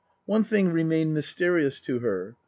One thing remained mysterious to her.